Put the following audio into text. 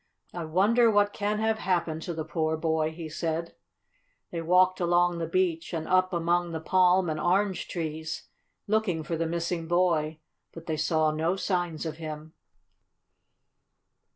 "I wonder what can have happened to the poor boy!" he said. They walked along the beach, and up among the palm and orange trees, looking for the missing boy. But they saw no signs of him.